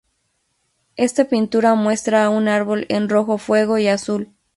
Esta pintura muestra a un árbol en rojo fuego y azul.